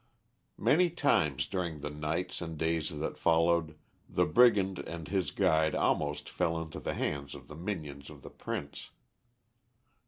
Many times during the nights and days that followed, the brigand and his guide almost fell into the hands of the minions of the Prince.